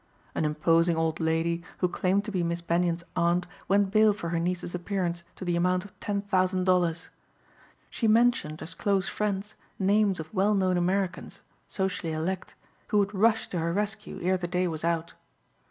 An imposing old lady who claimed to be Miss Benyon's aunt went bail for her niece's appearance to the amount of ten thousand dollars. She mentioned as close friends names of well known Americans, socially elect, who would rush to her rescue ere the day was out.